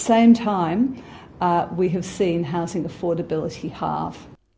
kami melihat bahwa pemerintahan yang berharga berhubungan